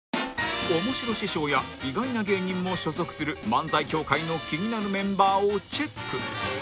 面白師匠や意外な芸人も所属する漫才協会の気になるメンバーをチェック